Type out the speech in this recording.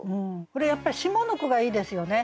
これやっぱり下の句がいいですよね。